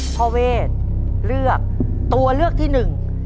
เวทเลือกตัวเลือกที่หนึ่ง